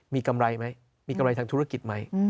มีกำไรไหมมีกำไรทางธุรกิจไหม